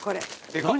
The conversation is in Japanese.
何？